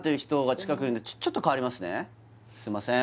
えっすいません